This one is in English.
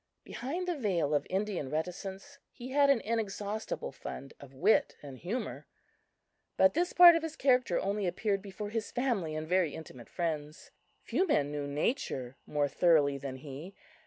Behind the veil of Indian reticence he had an inexhaustible fund of wit and humor; but this part of his character only appeared before his family and very intimate friends. Few men know nature more thoroughly than he.